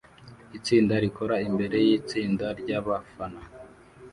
Itsinda rikora imbere yitsinda ryabafana